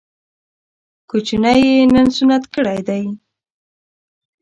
کوچنی يې نن سنت کړی دی